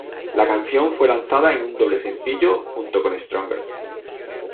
La canción fue lanzada en un doble sencillo junto con "Stronger".